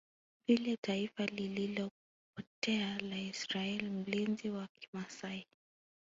vile taifa lililopotea la Israel Mlinzi wa kimasai